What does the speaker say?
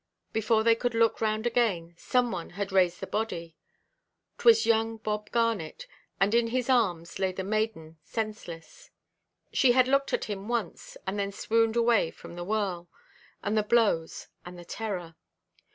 Before they could look round again, some one had raised the body. 'Twas young Bob Garnet, and in his arms lay the maiden senseless. She had looked at him once, and then swooned away from the whirl, and the blows, and the terror.